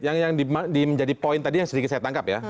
yang menjadi poin tadi yang sedikit saya tangkap ya